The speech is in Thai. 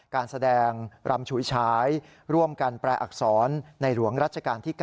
การแสดงรำฉุยฉายร่วมกันแปลอักษรในหลวงรัชกาลที่๙